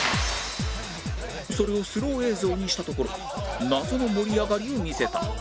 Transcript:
それをスロー映像にしたところ謎の盛り上がりを見せた